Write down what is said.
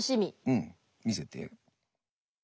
うん見せて。